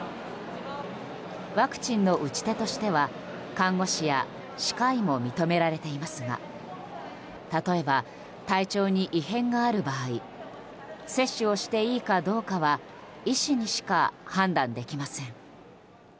ワクチンの打ち手としては看護師や歯科医も認められていますが例えば、体調に異変がある場合接種をしていいかどうかは医師にしか判断できません。